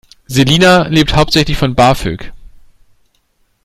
Selina lebt hauptsächlich von BAföG.